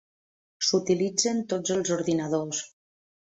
S'utilitzen tots els ordinadors.